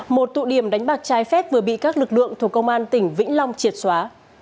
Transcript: một tụ điểm đánh bạc trái phép vừa bị các lực lượng thuộc công an tỉnh vĩnh long triệt xóa